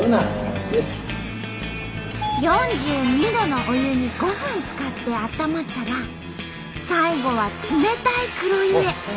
４２℃のお湯に５分つかってあったまったら最後は冷たい黒湯へ。